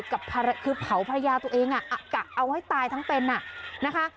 คือเผาภรรยาตัวเองกะเอาให้ตายทั้งเป็นนะคะ